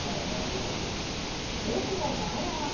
大相撲名古屋場所。